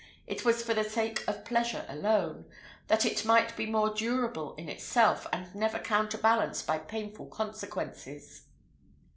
It was for the sake of pleasure alone that it might be more durable in itself, and never counterbalanced by painful consequences.